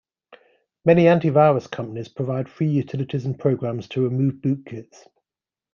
Many antivirus companies provide free utilities and programs to remove bootkits.